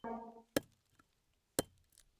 Ukundi chao kii ngachi.